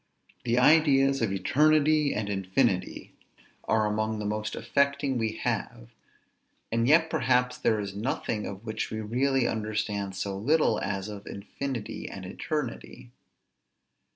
The ideas of eternity, and infinity, are among the most affecting we have: and yet perhaps there is nothing of which we really understand so little, as of infinity and eternity.